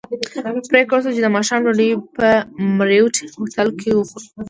پرېکړه وشوه چې د ماښام ډوډۍ به په مریوټ هوټل کې خورو.